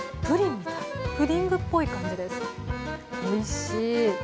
プディングっぽい感じです、おいしい。